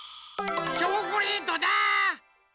チョコレートだ！